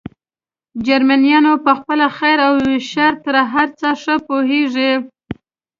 جرمنیان په خپل خیر او شر تر هر چا ښه پوهېږي.